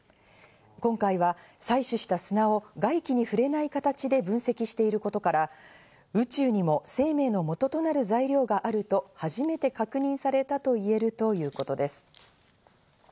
今回は採取した外気に触れない形で分析していることから、宇宙にも生命のもととなる材料があると初めて確認されたと言えるということです。